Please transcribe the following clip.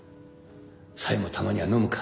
小夜もたまには飲むか？